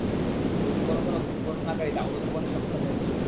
কিন্তু কোন কোন বর্ণনাকারী তা অনুধাবনে সক্ষম হননি।